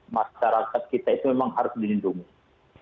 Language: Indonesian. masyarakat kita itu memang harus dilindungi